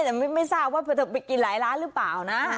แต่ไม่ทราบว่าเธอจะไปกินหลายร้านหรือเปล่านะ